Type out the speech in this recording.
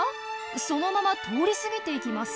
そのまま通り過ぎていきます。